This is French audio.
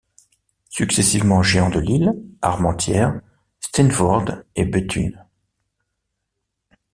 Successivement géant de Lille, Armentières, Steenvoorde et Béthune.